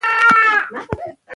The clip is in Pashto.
که باران وسي نو هوا به ډېره ښه سي.